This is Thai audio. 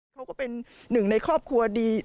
เขาก็เป็นหนึ่งในครอบครัวดี